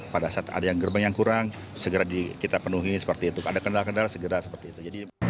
pada saat ada yang gerbang yang kurang segera kita penuhi seperti itu ada kendala kendala segera seperti itu